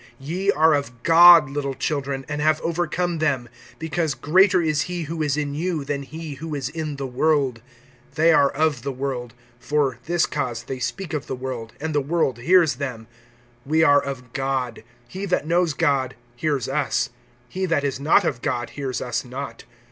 (4)Ye are of God, little children, and have overcome them; because greater is he who is in you, than he who is in the world. (5)They are of the world; for this cause they speak of the world, and the world hears them. (6)We are of God; he that knows God, hears us; he that is not of God, hears us not.